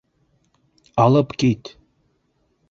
Алып кит!